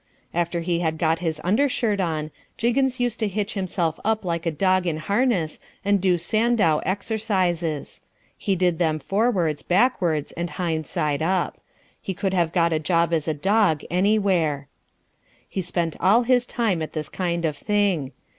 After he had got his undershirt on, Jiggins used to hitch himself up like a dog in harness and do Sandow exercises. He did them forwards, backwards, and hind side up. He could have got a job as a dog anywhere. He spent all his time at this kind of thing.